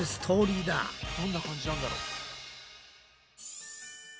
どんな感じなんだろ？